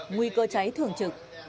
nguy cơ cháy thường trực